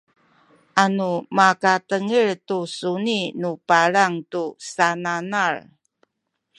anu makatengil tu suni nu palang tu sananal